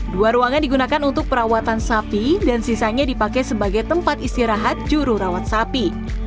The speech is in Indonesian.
dua ruangan digunakan untuk perawatan sapi dan sisanya dipakai sebagai tempat istirahat juru rawat sapi